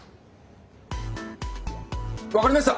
分かりました。